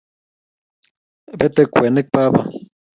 Bete kwenik baba